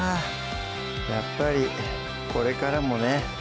やっぱりこれからもね